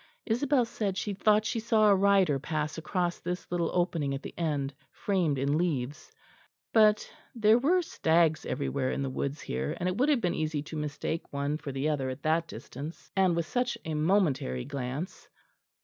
Isabel said she thought she saw a rider pass across this little opening at the end, framed in leaves; but there were stags everywhere in the woods here, and it would have been easy to mistake one for the other at that distance, and with such a momentary glance.